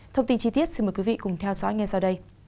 thông tin chi tiết xin mời quý vị cùng theo dõi ngay sau đây